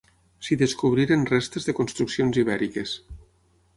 S'hi descobriren restes de construccions ibèriques.